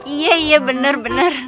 iya iya bener bener